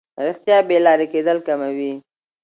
رښتیا بې لارې کېدل کموي.